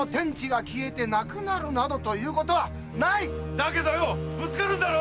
だけどぶつかるんだろ⁉